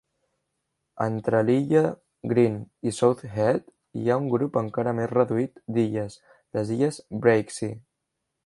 Entre l"illa Green i South Head hi ha un grup encara més reduït d"illes, les illes Breaksea.